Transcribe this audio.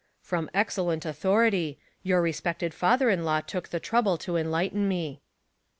" From excellent authority ; your respected father in law took the trouble to enlighten me.'